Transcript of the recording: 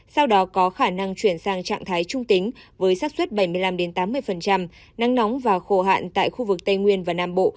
sau đó có khả năng chuyển sang trạng thái trung tính với sát xuất bảy mươi năm tám mươi nắng nóng và khô hạn tại khu vực tây nguyên và nam bộ